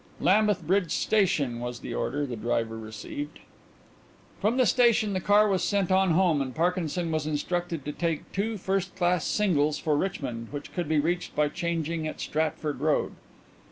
"Lambeth Bridge Station," was the order the driver received. From the station the car was sent on home and Parkinson was instructed to take two first class singles for Richmond, which could be reached by changing at Stafford Road.